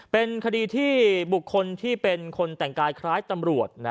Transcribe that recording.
เป็นคดีที่บุคคลที่เป็นคนแต่งกายคล้ายตำรวจ